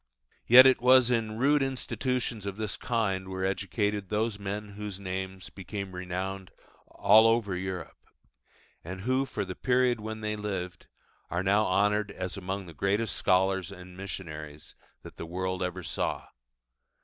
Yet it was in rude institutions of this kind that were educated those men whose names became renowned all over Europe, and who for the period when they lived are now honoured as among the greatest scholars and missionaries that the world ever saw.